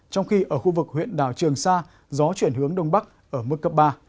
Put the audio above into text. trong khi ở khu vực huyện đảo trường sa gió chuyển hướng đông bắc ở mức cấp ba